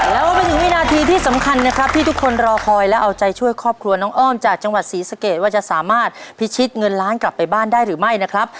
แล้วก็มาถึงวินาทีที่สำคัญนะครับที่ทุกคนรอคอยและเอาใจช่วยครอบครัวน้องอ้อมจากจังหวัดศรีสะเกดว่าจะสามารถพิชิตเงินล้านกลับไปบ้านได้หรือไม่นะครับ